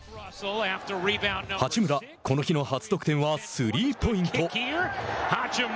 八村、この日の初得点はスリーポイント。